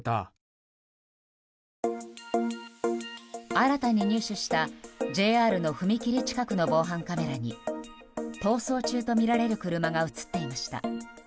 新たに入手したＪＲの踏切近くの防犯カメラに逃走中とみられる車が映っていました。